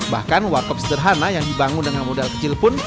bahkan warkop sederhana yang dibangun dengan modal kecil pun